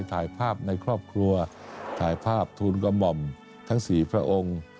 ถ่ายภาพในครอบครัวถ่ายภาพทูลกระหม่อมทั้งสี่พระองค์